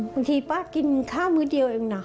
บางทีป้ากินข้าวมื้อเดียวเองนะ